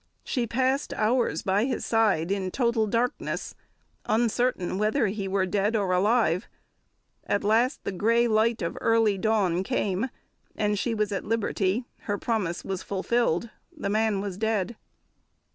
She passed hours by his side in total darkness, uncertain whether he were dead or alive; at last the gray light of early dawn came, and she was at liberty. Her promise was fulfilled; the man was dead.